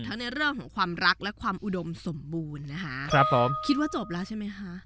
ในเรื่องของความรักและความอุดมสมบูรณ์นะคะครับผมคิดว่าจบแล้วใช่ไหมคะ